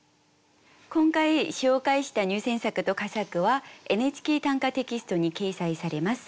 今回紹介した入選作と佳作は「ＮＨＫ短歌」テキストに掲載されます。